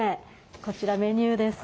こちらメニューです。